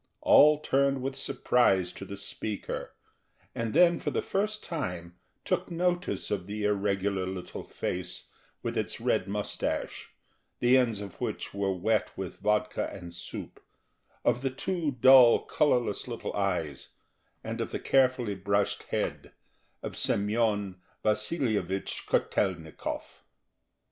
All turned with surprise to the speaker, and then for the first time took notice of the irregular little face with its red moustache, the ends of which were wet with vodka and soup, of the two dull, colourless little eyes, and of the carefully brushed head of Semyon Vasilyevich Kotel'nikov.